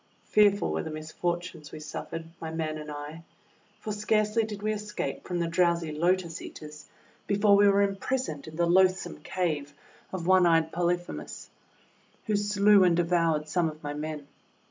Fearful were the misfortunes we suffered, my men and I! For scarcely did we escape from the drowsy Lotus Eaters before we were impris oned in the loathsome cave of one eyed Poly phemus, who slew and devoured some of my men.